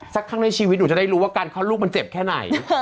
สักครั้งในชีวิตหนูจะได้รู้ว่าการคลอดลูกมันเจ็บแค่ไหน